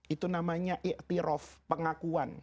itu namanya iktirof pengakuan